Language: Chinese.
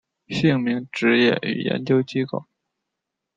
姓名职业与研究机构